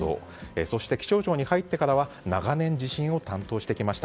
そして気象庁に入ってからは長年地震を担当してきました。